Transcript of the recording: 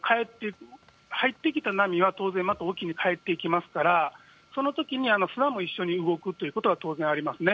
波が入ってきた波は当然また沖に帰っていきますから、そのときに砂も一緒に動くというのは当然ありますね。